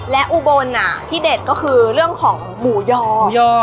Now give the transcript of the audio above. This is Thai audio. และอุบลที่เด็ดก็คือเรื่องของหมูยอหมูยอ